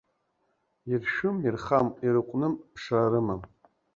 Иршәым ирхам, ирыҟәным, ԥшра рымам.